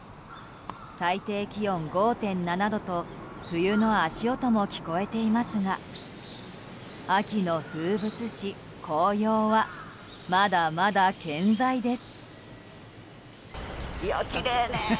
最低気温５．７度と冬の足音も聞こえていますが秋の風物詩、紅葉はまだまだ健在です。